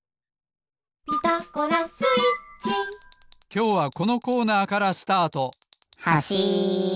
きょうはこのコーナーからスタート